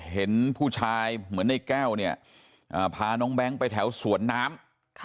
เห็นผู้ชายเหมือนในแก้วเนี่ยพาน้องแบงค์ไปแถวสวนน้ำ